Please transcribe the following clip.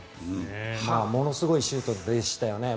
ものすごいシュートでしたよね。